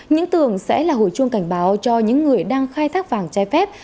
những tường sẽ là hồi chuông cảnh báo cho những người đang khai thác vàng trái phép